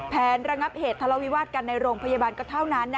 ระงับเหตุทะเลาวิวาสกันในโรงพยาบาลก็เท่านั้น